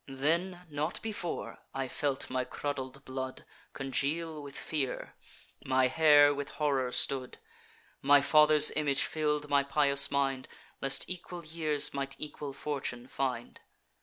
"Then, not before, I felt my curdled blood Congeal with fear, my hair with horror stood: My father's image fill'd my pious mind, Lest equal years might equal fortune find.